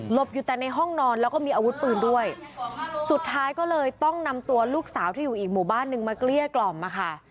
อยู่แต่ในห้องนอนแล้วก็มีอาวุธปืนด้วยสุดท้ายก็เลยต้องนำตัวลูกสาวที่อยู่อีกหมู่บ้านนึงมาเกลี้ยกล่อมมาค่ะ